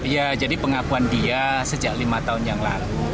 ya jadi pengakuan dia sejak lima tahun yang lalu